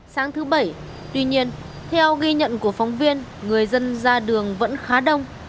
sáng thứ bảy tuy nhiên theo ghi nhận của phóng viên người dân ra đường vẫn khá đông